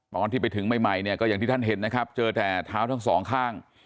ตอนที่ไปถึงใหม่เนี่ยก็อย่างที่ท่านเห็นนะครับเจอแต่เท้าทั้งสองข้าง